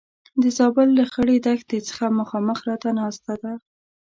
د زابل له خړې دښتې څخه مخامخ راته ناسته ده.